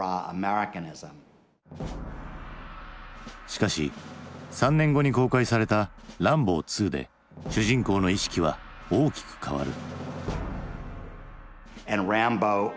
しかし３年後に公開された「ランボー２」で主人公の意識は大きく変わる。